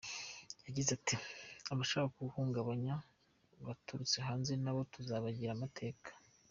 Yagize ati: "Abashaka kuwuhungabanya baturutse hanze nabo tuzabagira amateka.